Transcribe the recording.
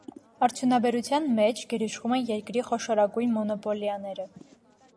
Արդյունաբերության մեջ գերիշխում են երկրի խոշորագույն մոնոպոլիաները։